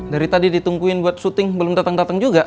dari tadi ditungguin buat syuting belum dateng dateng juga